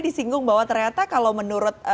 disinggung bahwa ternyata kalau menurut